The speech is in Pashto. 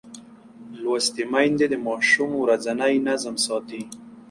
لوستې میندې د ماشوم ورځنی نظم ساتي.